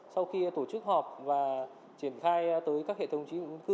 sau khi tổ chức họp và triển khai tới các hệ thống trí ứng thư